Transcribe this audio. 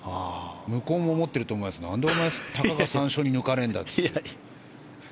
向こうも思っていると思いますが何で、たかが３勝に抜かれるんだって。